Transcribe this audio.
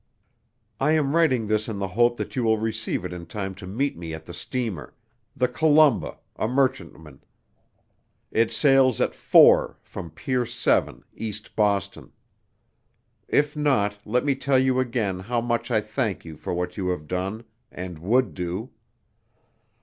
I am writing this in the hope that you will receive it in time to meet me at the steamer the Columba, a merchantman. It sails at four from Pier 7, East Boston. If not, let me tell you again how much I thank you for what you have done and would do.